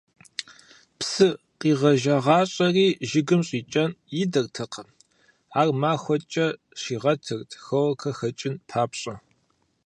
Псы къигъэжагъащӀэри жыгым щӀикӀэн идэртэкъым, ар махуэкӀэ щигъэтырт, хлоркэр хэкӀын папщӀэ.